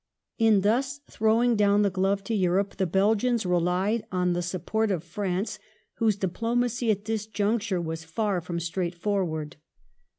In thus throwing down the glove to Europe the Belgians relied on the support of France, whose diplomacy at this juncture was far from straight for wai d.